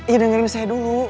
iya dengerin saya dulu